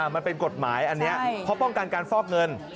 มันเป็นกฎหมายอันนี้เพราะป้องกันการฟอกเงิน